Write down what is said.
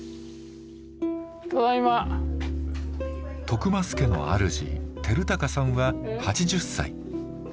徳増家のあるじ昭孝さんは８０歳。